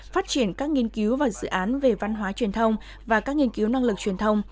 phát triển các nghiên cứu và dự án về văn hóa truyền thông và các nghiên cứu năng lực truyền thông